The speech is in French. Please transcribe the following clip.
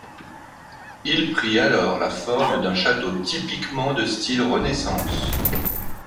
Il prit alors la forme d'un château typiquement de style Renaissance.